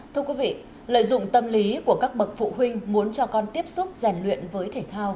thưa quý vị lợi dụng tâm lý của các bậc phụ huynh muốn cho con tiếp xúc giàn luyện với thể thao